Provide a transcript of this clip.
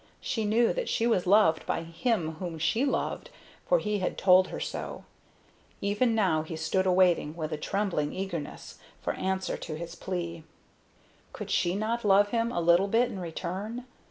She knew that she was loved by him whom she loved, for he had told her so. Even now he stood awaiting, with trembling eagerness, her answer to his plea. Could she not love him a little bit in return?